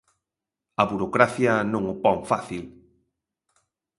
A burocracia non o pon fácil.